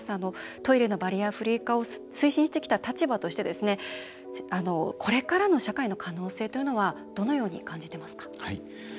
トイレのバリアフリー化を推進してきた立場としてこれからの社会の可能性というのはどのように感じていますか？